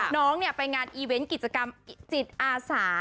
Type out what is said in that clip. น้องไปงานอีเวนต์กิจกรรมจิตอาสา